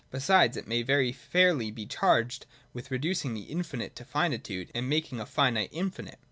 Besides it may very fairly be charged with reducing the infinite to finitude and making a finite infinite.